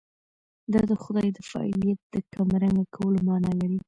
دا د خدای د فاعلیت د کمرنګه کولو معنا لري.